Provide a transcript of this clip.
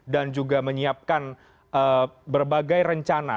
dan juga menyiapkan berbagai rencana